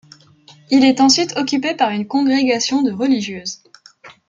Il est ensuite occupé par une congrégation de religieuses.